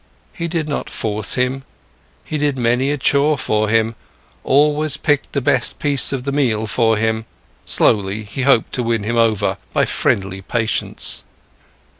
He did not force him, he did many a chore for him, always picked the best piece of the meal for him. Slowly, he hoped to win him over, by friendly patience.